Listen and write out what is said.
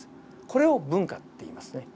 これを分化っていいますね。